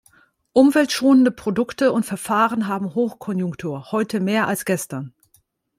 Umweltschonende Produkte und Verfahren haben Hochkonjunktur heute mehr als gestern.